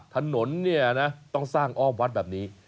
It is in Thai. ถนนเนี่ยนะต้องสร้างอ้อมวัดแบบนี้